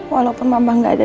walaupun mama gak ada